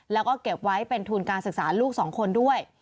แล้วก็เก็บไว้เป็นทุนการศึกษาลูกสองคนด้วย